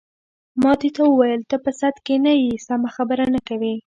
ما دې ته وویل: ته په سد کې نه یې، سمه خبره نه کوې.